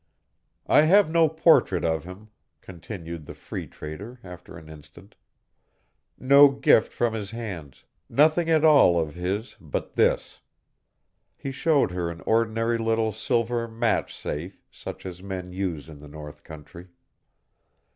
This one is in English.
"I have no portrait of him," continued the Free Trader, after an instant. "No gift from his hands; nothing at all of his but this." He showed her an ordinary little silver match safe such as men use in the North country.